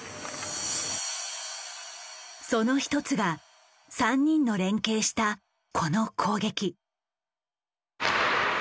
その一つが３人の連係したこの攻撃。